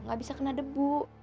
gak bisa kena debu